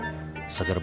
hah kita ke sana tadi